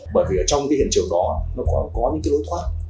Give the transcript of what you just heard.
bởi vì ở trong cái hình trường đó nó có những cái lối thoát